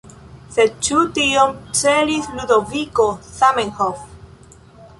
Sed ĉu tion celis Ludoviko Zamenhof?